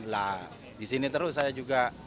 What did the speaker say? nah di sini terus saya juga